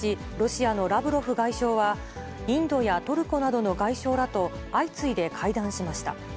会合に先立ち、ロシアのラブロフ外相は、インドやトルコなどの外相らと相次いで会談しました。